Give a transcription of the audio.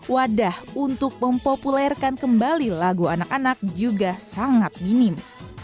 wadah untuk mempopulerkan kembali lagu anak anak juga sangat minim